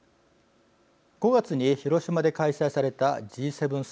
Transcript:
５月に広島で開催されたＧ７サミット。